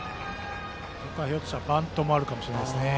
ひょっとしたらバントもあるかもしれません。